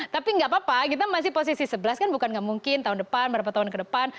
tapi tidak apa apa kita masih posisi sebelas bukan tidak mungkin tahun depan beberapa tahun ke depan